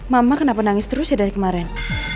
mama kenapa nangis terus ya dari kemarin